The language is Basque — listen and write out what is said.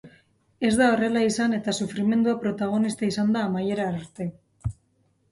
Ez da horrela izan eta sufrimendua protagonista izan da amaiera arte.